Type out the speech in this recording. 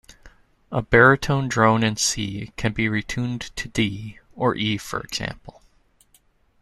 A Baritone drone in C can be retuned to D, or E for example.